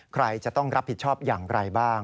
ใครจะต้องรับผิดชอบอย่างไรบ้าง